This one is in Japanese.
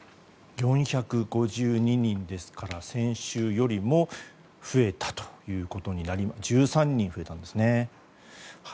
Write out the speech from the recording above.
４５２人ですから先週よりも増えたということになり１３人増えたんですね。